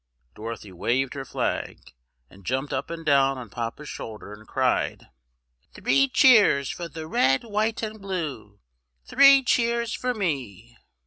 Dorothy waved her flag, and jumped up and down on Papa's shoulder, and cried, "Three cheers for the red, white and blue! three cheers for me!"